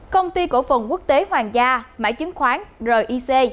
công ty cổ phần quốc tế hoàng gia mã chứng khoán ric